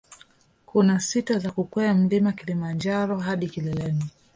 Kuna sita za kukwea mlima mlima kilimanjaro hadi kileleni